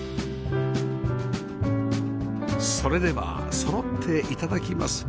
それではそろっていただきます